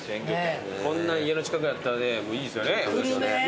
こんなん家の近くだったらねいいですよね。